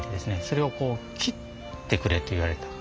それを切ってくれと言われた。